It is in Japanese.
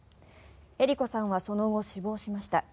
えり子さんはその後、死亡しました。